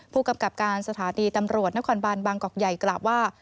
ผู้กำกับการสถานีตำรวจนครบานบางกอกใหญ่กล่าวว่า